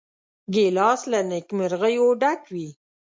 ګیلاس له نیکمرغیو ډک وي.